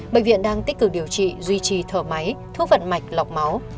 bệnh viện đang tích cực điều trị duy trì thở máy thuốc vận mạch lọc máu